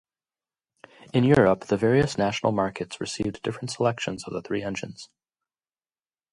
In Europe, the various national markets received different selections of the three engines.